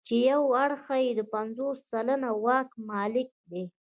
چې یو اړخ یې د پنځوس سلنه واک مالک دی.